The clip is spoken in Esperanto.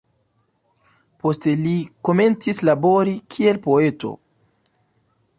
Poste, li komencis labori kiel poeto.